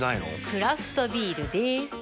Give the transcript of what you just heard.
クラフトビールでーす。